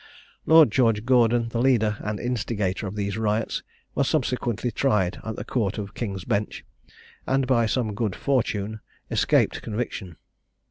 Lord George Gordon, the leader and instigator of these riots, was subsequently tried in the Court of King's Bench, and by some good fortune escaped conviction.